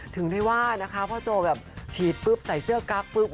ถึงได้ว่านะคะพอโจแบบฉีดปุ๊บใส่เสื้อกั๊กปุ๊บ